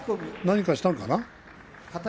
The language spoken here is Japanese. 何かしたのかな。